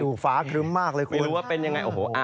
ดุฝาขึ้นมากเลยคุณ